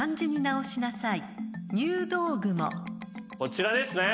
こちらですね。